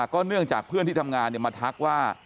ก็เนื่องจากเพื่อนที่ทำงานมาทักว่า